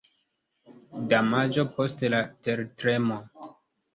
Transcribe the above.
Damaĝo post la tertremo.